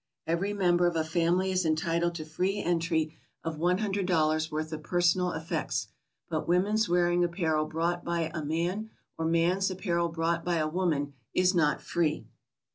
Every member of a family is entitled to free entry of $100 worth of personal effects, but women's wearing apparel brought by a man, or man's apparel brought by a woman, is not free.